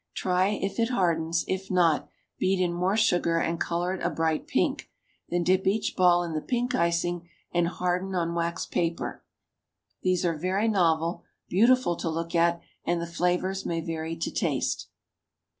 Try if it hardens, if not, beat in more sugar and color it a bright pink, then dip each ball in the pink icing and harden on wax paper. These are very novel, beautiful to look at, and the flavors may vary to taste.